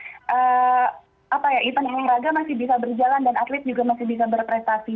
event yang beragam masih bisa berjalan dan atlet juga masih bisa berprestasi